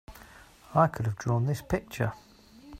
I could have drawn this picture!